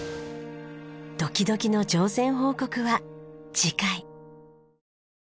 ドキドキの乗船報告は次回。